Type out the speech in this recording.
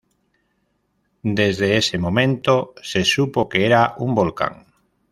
Desde ese momento, se supo que era un volcán.